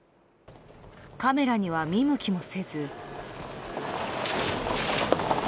カメラには見向きもせず。